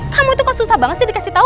kamu itu kan susah banget sih dikasih tahu